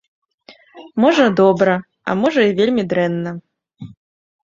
Можа, добра, а можа, і вельмі дрэнна.